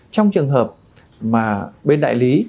trong trường hợp mà bên đại lý